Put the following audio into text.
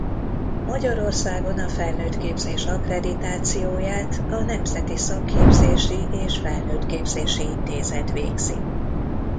Magyarországon a felnőttképzés akkreditációját a Nemzeti Szakképzési és Felnőttképzési Intézet végzi.